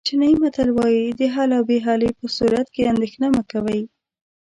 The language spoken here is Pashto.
چینایي متل وایي د حل او بې حلۍ په صورت کې اندېښنه مه کوئ.